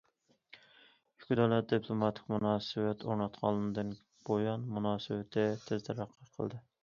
ئىككى دۆلەت دىپلوماتىك مۇناسىۋەت ئورناتقاندىن بۇيان مۇناسىۋىتى تېز تەرەققىي قىلدى.